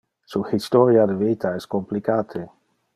Su historia de vita es complicate.